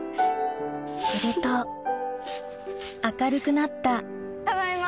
すると明るくなったただいま！